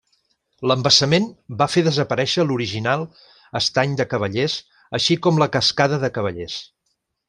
L'embassament va fer desaparèixer l'original Estany de Cavallers així com la Cascada de Cavallers.